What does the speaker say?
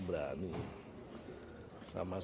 bapak mengandangnya gimana